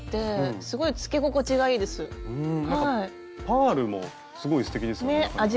パールもすごいすてきですよね。